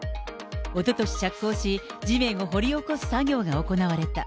おととし着工し、地面を掘り起こす作業が行われた。